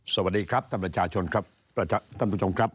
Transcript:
สวัสดีครับท่านประชาชนครับท่านผู้ชมครับ